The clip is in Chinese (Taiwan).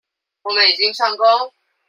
我們已經上工